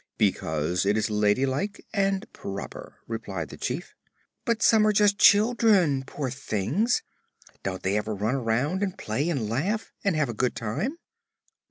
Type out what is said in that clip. "Because it is ladylike and proper," replied the Chief. "But some are just children, poor things! Don't they ever run around and play and laugh, and have a good time?"